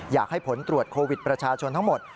อยากให้ผลตรวจโควิดประชาชนทั้งหมด